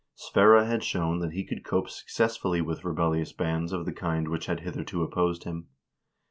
Sverre had shown that he could cope successfully with rebellious bands of the kind which had hitherto opposed him.